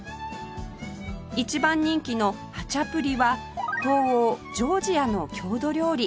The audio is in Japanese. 一番人気のハチャプリは東欧ジョージアの郷土料理